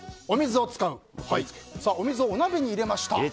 お水をお鍋に入れました。